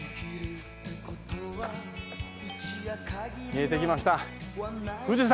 見えてきました富士山！